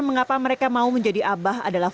mengapa mereka mau menjadi abah adalah